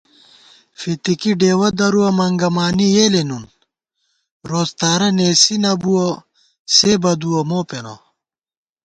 فِتِکی ڈېوَہ درُوَہ مَنگَمانی یېلےنُن * روڅتارہ نېسی نہ بُوَہ سے بدُوَہ مو پېنہ